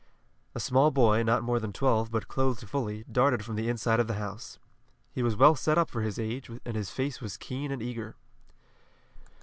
A small boy, not more than twelve, but clothed fully, darted from the inside of the house. He was well set up for his age, and his face was keen and eager.